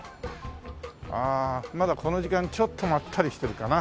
ああまだこの時間ちょっとまったりしてるかな。